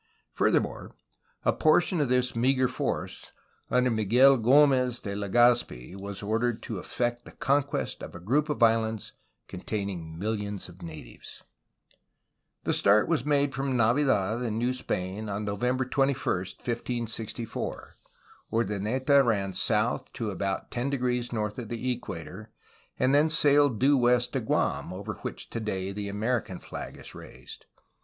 Furthermore, a portion of this meagre force, under Miguel G6mez de Legazpi, was ordered to effect the conquest of a group of islands containing mil lions of natives. The start was made from Navidad in New Spain, on No vember 21, 1564. Urdaneta ran south to about 10° north of the equator, and then sailed due west to Guam, over which today the American flag is raised.